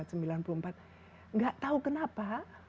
tidak tahu kenapa